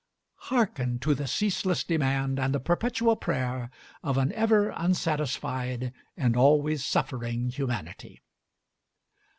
Hearken to the ceaseless demand and the perpetual prayer of an ever unsatisfied and always suffering humanity!